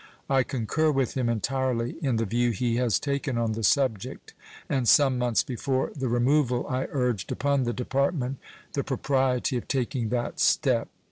I concur with him entirely in the view he has taken on the subject, and some months before the removal I urged upon the Department the propriety of taking that step.